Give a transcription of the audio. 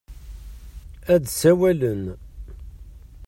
Ad d-sawalen.